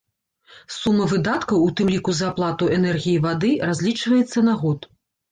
Сума выдаткаў, у тым ліку за аплату энергіі і вады, разлічваецца на год.